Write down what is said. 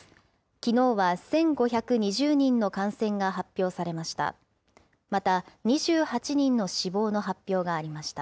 きのうは１５２０人の感染が発表されました。